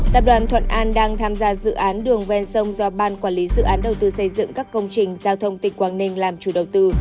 tập đoàn thuận an đang tham gia dự án đường ven sông do ban quản lý dự án đầu tư xây dựng các công trình giao thông tỉnh quảng ninh làm chủ đầu tư